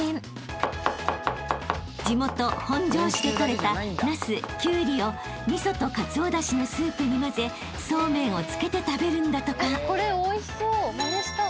［地元本庄市でとれたナスキュウリを味噌とかつおだしのスープに交ぜそうめんをつけて食べるんだとか］